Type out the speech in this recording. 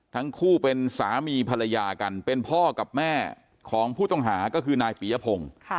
ทั้งคู่เป็นสามีภรรยากันเป็นพ่อกับแม่ของผู้ต้องหาก็คือนายปียพงศ์